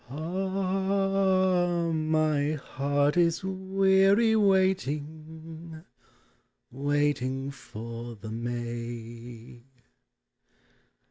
Ah! my heart is weary waiting, Waiting for the May.